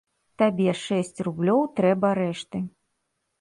Табе шэсць рублёў трэба рэшты.